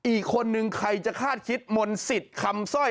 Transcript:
อีกคนนึงใครจะคาดคิดมนต์สิทธิ์คำสร้อย